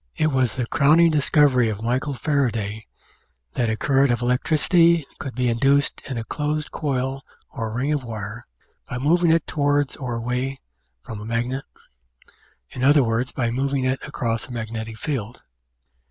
It was the crowning discovery of Michael Faraday that a current of electricity could be induced in a closed coil or ring of wire by moving it towards or away from a magnet in other words, by moving it across a magnetic field.